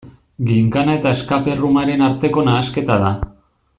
Ginkana eta escape room-aren arteko nahasketa da.